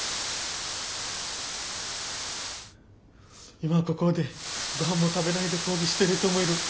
今ここでごはんも食べないで抗議している人もいる。